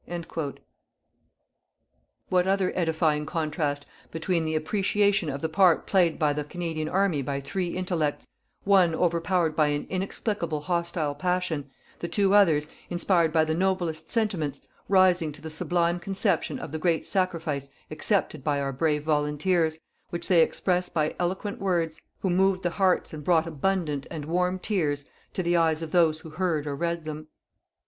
_" What other edifying contrast between the appreciation of the part played by the Canadian army by three intellects, one overpowered by an inexplicable hostile passion, the two others, inspired by the noblest sentiments, rising to the sublime conception of the great sacrifice accepted by our brave volunteers, which they express by eloquent words who moved the hearts and brought abundant and warm tears to the eyes of those who heard or read them.